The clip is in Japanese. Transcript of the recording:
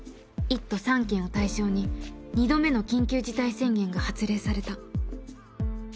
一都三県を対象に二度目の緊急事態宣言が発令された